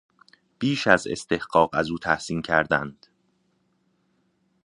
بیش از استحقاق از او تحسین کردند.